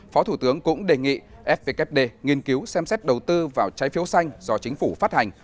phó thủ tướng cũng đề nghị fvkd nghiên cứu xem xét đầu tư vào trái phiếu xanh do chính phủ phát hành